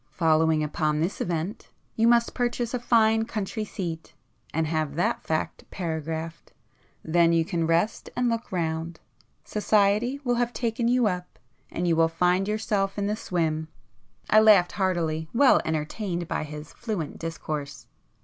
Following upon this event, you must purchase a fine country seat, and have that fact 'paragraphed'—then you can rest and look round,—Society will have taken you up, and you will find yourself in the swim!" I laughed heartily,—well entertained by his fluent discourse.